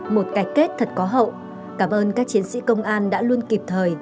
một cái kết thật có hậu cảm ơn các chiến sĩ công an đã luôn kịp thời